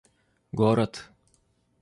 город